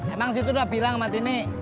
emang situ udah bilang sama tini